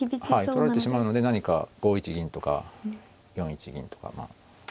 はい取られてしまうので何か５一銀とか４一銀とかまあ。